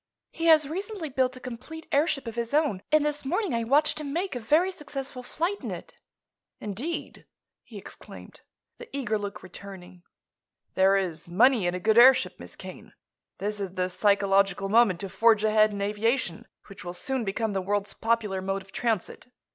He has recently built a complete airship of his own, and this morning I watched him make a very successful flight in it." "Indeed?" he exclaimed, the eager look returning. "There is money in a good airship, Miss Kane. This is the psychological moment to forge ahead in aviation, which will soon become the world's popular mode of transit.